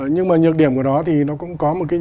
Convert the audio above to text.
nhưng mà nhược điểm của nó thì nó cũng có một cái nhược điểm